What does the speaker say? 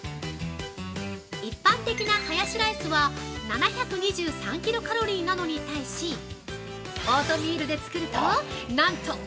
一般的なハヤシライスは７２３キロカロリーなのに対し、オートミールで作ると、なんと！